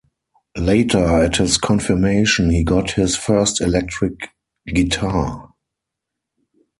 Later, at his confirmation, he got his first electric guitar.